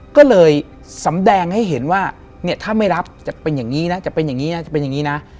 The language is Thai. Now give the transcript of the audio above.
ก็เลยสำแดงให้เห็นว่าเนี่ยถ้าไม่รับจะเป็นอย่างนี้นะจะเป็นอย่างนี้นะจะเป็นอย่างนี้นะ